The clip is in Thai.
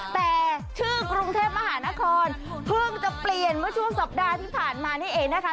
แต่ชื่อกรุงเทพมหานครเพิ่งจะเปลี่ยนเมื่อช่วงสัปดาห์ที่ผ่านมานี่เองนะคะ